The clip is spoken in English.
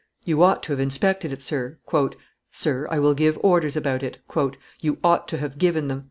"You ought to have inspected it, sir." "Sir, I will give orders about it." "You ought to have given them.